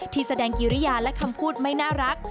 แสดงกิริยาและคำพูดไม่น่ารัก